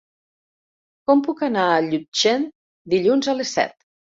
Com puc anar a Llutxent dilluns a les set?